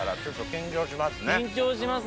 緊張しますね。